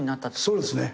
そうですね。